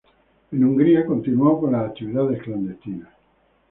En Hungría continuó con las actividades clandestinas.